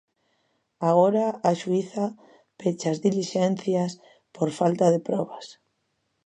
Agora, a xuíza pecha as dilixencias por falta de probas.